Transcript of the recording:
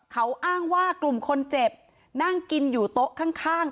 เขาอ้างว่ากลุ่มคนเจ็บนั่งกินอยู่โต๊ะข้าง